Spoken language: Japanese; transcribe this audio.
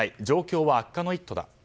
状況は悪化の一途だ。